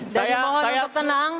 dan dimohon untuk tenang